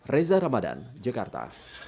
reza ramadan jakarta